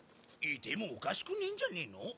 いてもおかしくねえんじゃねえの？